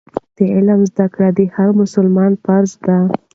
د علم زده کړه د هر مسلمان فرض دی.